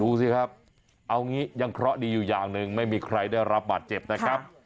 ดูสิครับเอางี้ยังเคราะห์ดีอยู่อย่างหนึ่งไม่มีใครได้รับบาดเจ็บนะครับ